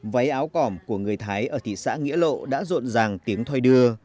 váy áo cỏm của người thái ở thị xã nghĩa lộ đã rộn ràng tiếng thoi đưa